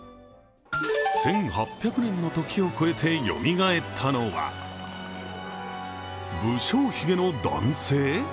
１８００年の時を越えてよみがえったのは不精ひげの男性？